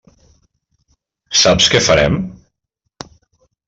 Saps què farem?